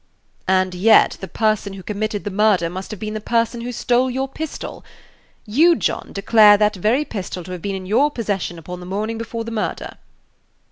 "And yet the person who committed the murder must have been the person who stole your pistol. You, John, declare that very pistol to have been in your possession upon the morning before the murder?"